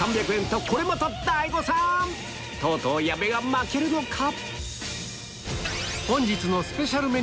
とうとう矢部が負けるのか？